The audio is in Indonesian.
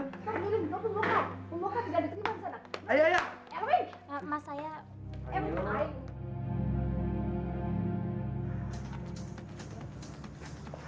tidak bukan pemuka